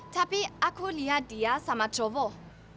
tapi aku niat dia sama cowok